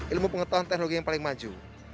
ilmu pengetahuan teknologi yang paling maju